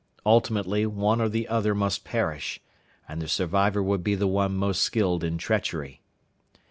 Ultimately one or the other must perish, and the survivor would be the one most skilled in treachery.